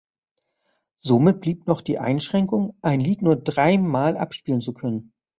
Somit blieb noch die Einschränkung, ein Lied nur dreimal abspielen zu können.